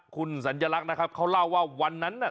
คุณสัญลักษมณ์เขาเล่าว่าวันนั้น